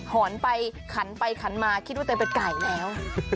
หอนไปขันไปขันมาคิดว่าตัวเองเป็นไก่แล้ว